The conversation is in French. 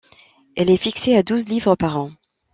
Elle est fixée à douze livres par an.